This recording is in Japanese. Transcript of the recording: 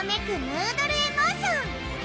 ヌードル・エモーション！